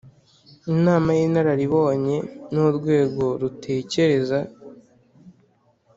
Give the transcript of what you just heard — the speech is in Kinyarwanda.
Inama y Inararibonye ni urwego rutekereza